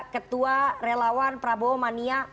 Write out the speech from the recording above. ketua relawan prabowo mania